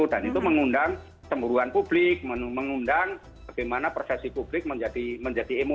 dan itu mengundang temburuan publik mengundang bagaimana persepsi publik menjadi emosi marah kan gitu